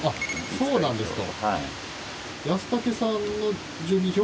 そうなんですか。